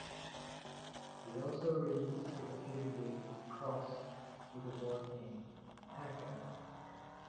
They also released the computer game crossed with a board game, "TankAttack".